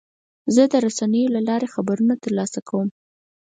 زه د رسنیو له لارې خبرونه ترلاسه کوم.